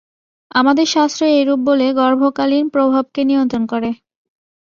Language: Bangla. আমাদের শাস্ত্র এইরূপ বলে গর্ভকালীন প্রভাবকে নিয়ন্ত্রণ কর।